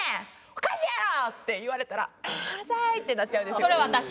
おかしいやろ！」って言われたらうるさい！ってなっちゃうんですよ。